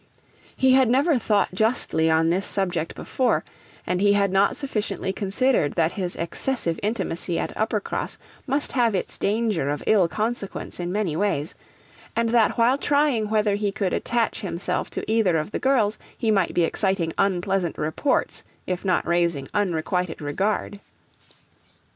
He had never thought justly on this subject before, and he had not sufficiently considered that his excessive intimacy at Uppercross must have its danger of ill consequence in many ways; and that while trying whether he could attach himself to either of the girls, he might be exciting unpleasant reports if not raising unrequited regard.